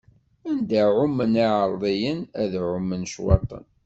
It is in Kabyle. Anda ɛummen iɛeṛḍiyen, ay ɛummen ccwaṭen.